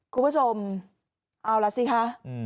คุณผู้ชมเอาล่ะสิคะ